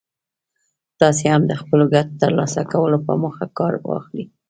تاسې هم د خپلو ګټو ترلاسه کولو په موخه کار واخلئ.